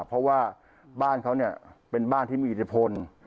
เพราะว่าบ้านเขาเนี่ยเป็นบ้านที่มีอิทธิพล